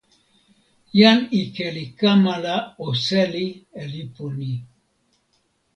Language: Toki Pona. jan ike li kama la o seli e lipu ni.